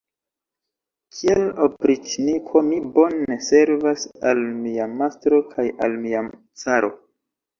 Kiel opriĉniko mi bone servas al mia mastro kaj al mia caro.